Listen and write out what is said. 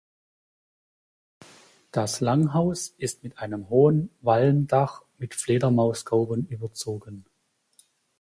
Das Langhaus ist mit einem hohen Walmdach mit Fledermausgauben überzogen.